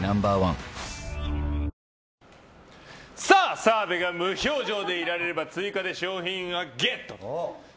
澤部が無表情でいられれば追加で賞品をゲット。